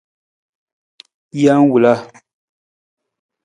Jee wila.